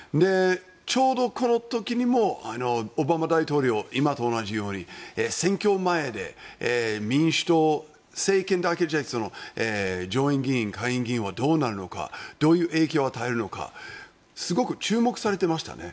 ちょうどこの時にもオバマ大統領今と同じように選挙前で、民主党政権で上院議員、下院議員はどうなるのかどういう影響を与えるのかすごく注目されていましたね。